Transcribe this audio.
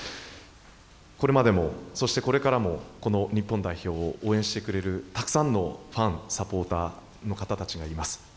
これまでも、そしてこれからもこの日本代表を応援してくれるたくさんのファン、サポーターの方たちがいます。